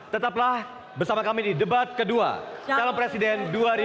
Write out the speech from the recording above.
tetaplah bersama kami di debat kedua calon presiden dua ribu sembilan belas